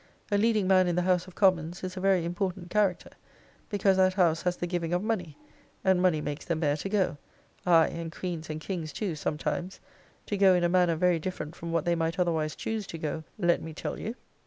A leading man in the house of commons is a very important character; because that house has the giving of money: and money makes the mare to go; ay, and queens and kings too, sometimes, to go in a manner very different from what they might otherwise choose to go, let me tell you.